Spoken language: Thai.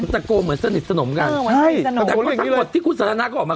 จักรโกเหมือนสนิทสนมกันใช่แต่ว่าทั้งหมดที่คุณสันทนะก็ออกมา